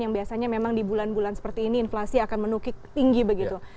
yang biasanya memang di bulan bulan seperti ini inflasi akan menukik tinggi begitu